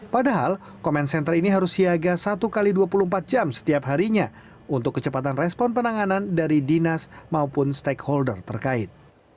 padahal comment center ini harus siaga satu x dua puluh empat jam setiap harinya untuk kecepatan respon penanganan dari dinas maupun stakeholder terkait